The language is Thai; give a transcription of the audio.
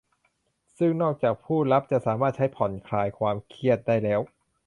ซึ่งนอกจากผู้รับจะสามารถใช้ผ่อนคลายความเครียดได้แล้ว